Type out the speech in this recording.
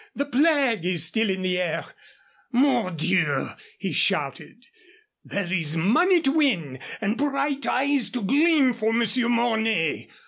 The plague is still in the air. Mordieu!" he shouted. "There is money to win and bright eyes to gleam for Monsieur Mornay.